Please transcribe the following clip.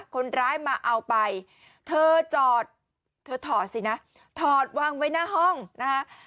คนร้ายมาเอาไปเธอจอดเธอถอดสินะถอดวางไว้หน้าห้องนะคะ